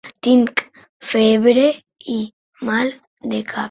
Tinc febre i mal de cap.